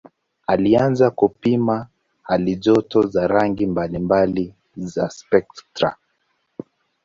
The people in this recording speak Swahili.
Alianza kupima halijoto za rangi mbalimbali za spektra.